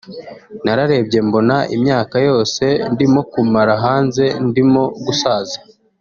nararebye mbona imyaka yose ndimo kumara hanze ndimo gusaza